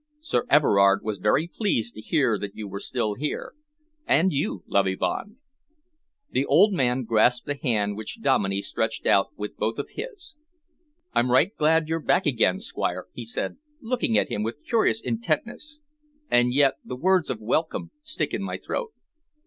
Sir Everard was very pleased to hear that you were still here; and you, Loveybond." The old man grasped the hand which Dominey stretched out with both of his. "I'm right glad you're back again, Squire," he said, looking at him with curious intentness, "and yet the words of welcome stick in my throat."